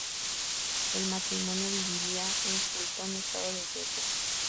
El matrimonio viviría en Fulton, estado de Georgia.